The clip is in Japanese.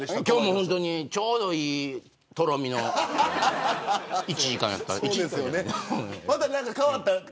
今日も本当にちょうどいいとろみの１時間やった。